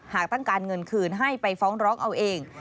หากต้องการเงินคืนให้ไปฟ้องร้องเอาเอง